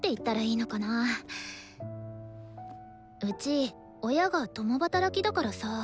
うち親が共働きだからさ